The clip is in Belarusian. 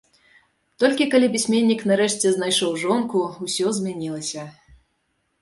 Толькі калі пісьменнік нарэшце знайшоў жонку, усё змянілася.